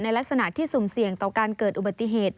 ลักษณะที่สุ่มเสี่ยงต่อการเกิดอุบัติเหตุ